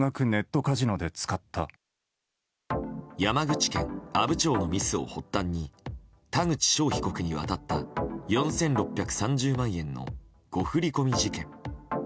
山口県阿武町のミスを発端に田口翔被告に渡った４６３０万円の誤振り込み事件。